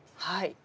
はい。